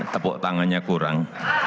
tepuk tangannya kurang